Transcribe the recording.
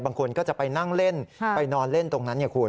บางคนก็จะไปนั่งเล่นไปนอนเล่นตรงนั้นไงคุณ